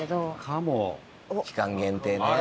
期間限定ね。